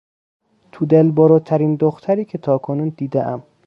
تو دل بروترین دختری که تاکنون دیدهام